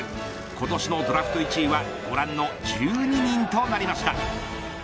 今年のドラフト１位はご覧の１２人となりました。